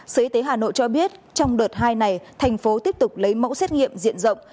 sở y tế hà nội cho biết trong đợt hai này thành phố tiếp tục lấy mẫu xét nghiệm diện rộng